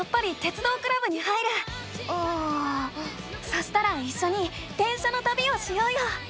そしたらいっしょに電車のたびをしようよ！